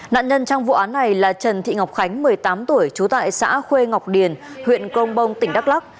nạn nhân trong vụ án này là trần thị ngọc khánh một mươi tám tuổi trú tại xã khuê ngọc điền huyện công bông tỉnh đắk lắc